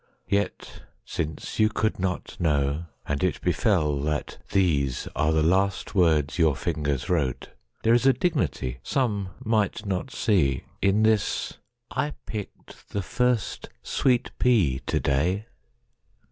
Yet, since you could not know, and it befellThat these are the last words your fingers wrote, There is a dignity some might not seeIn this, "I picked the first sweet pea to day."